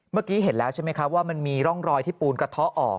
เมื่อกี้เห็นแล้วใช่ไหมครับว่ามันมีร่องรอยที่ปูนกระเทาะออก